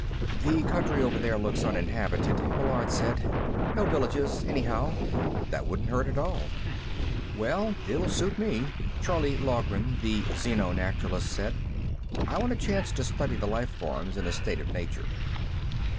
"The country over there looks uninhabited," Meillard said. "No villages, anyhow. That wouldn't hurt, at all." "Well, it'll suit me," Charley Loughran, the xeno naturalist, said. "I want a chance to study the life forms in a state of nature."